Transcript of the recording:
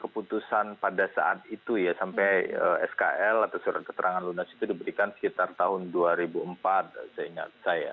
keputusan pada saat itu ya sampai skl atau surat keterangan lunas itu diberikan sekitar tahun dua ribu empat seingat saya